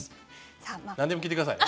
何でも聞いて下さいね。